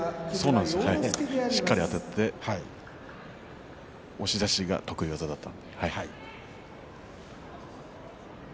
しっかりあたって押し出しが得意技だったので。